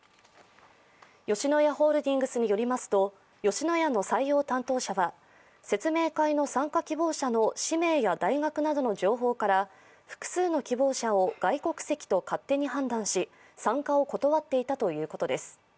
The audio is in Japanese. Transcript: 吉野家ホールディングスによりますと、吉野家の採用担当者は説明会の参加希望者の氏名や大学などの情報から複数の希望者を外国籍と勝手に判断し参加を断っていたということです。